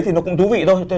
thì nó cũng thú vị thôi